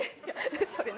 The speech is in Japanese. それ何？